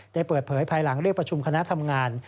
ได้เปิดเผยภายหลังเรียกประชุมคณะทำงาน